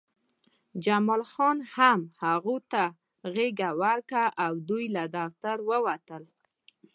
جمال خان هم هغه ته غېږه ورکړه او دوی له دفتر ووتل